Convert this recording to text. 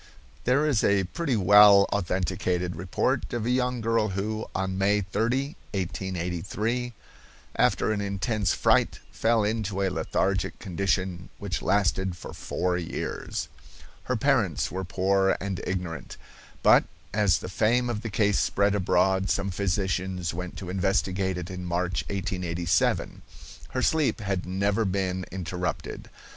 There is a pretty well authenticated report of a young girl who, on May 30, 1883, after an intense fright, fell into a lethargic condition which lasted for four years. Her parents were poor and ignorant, but, as the fame of the case spread abroad, some physicians went to investigate it in March, 1887. Her sleep had never been interrupted.